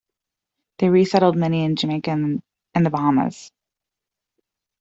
They resettled many in Jamaica and the Bahamas.